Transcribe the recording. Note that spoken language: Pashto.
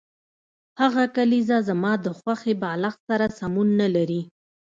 هغه کلیزه زما د خوښې بالښت سره سمون نلري